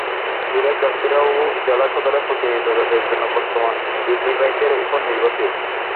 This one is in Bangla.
দূরের যাত্রীরাও জেলা সদরে প্রতিনিয়ত যাতায়াতের জন্য বর্তমানে ইজিবাইকের ওপর নির্ভরশীল।